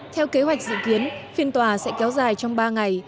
theo kế hoạch dự kiến phiên tòa sẽ kéo dài trong ba ngày